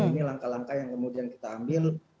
ini langkah langkah yang kemudian kita ambil